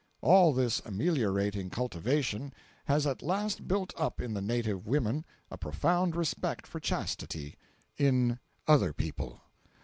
All this ameliorating cultivation has at last built up in the native women a profound respect for chastity—in other people.